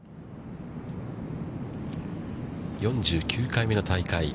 ４９回目の大会。